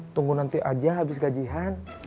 tunggu nanti aja habis gajian